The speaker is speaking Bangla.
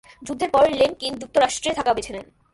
যুদ্ধের পর লেমকিন যুক্তরাষ্ট্রে থাকা বেছে নেন।